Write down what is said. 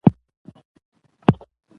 فاریاب د افغانستان د بڼوالۍ برخه ده.